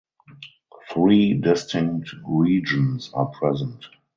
Three distinct regions are present.